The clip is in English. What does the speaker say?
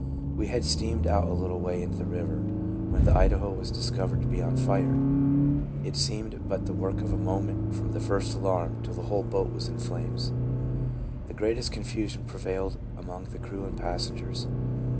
We had steamed out a little way into the river, when the Idaho was discovered to be on fire. It seemed but the work of a moment from the first alarm, till the whole boat was in flames The greatest confusion prevailed among the crew and passengers.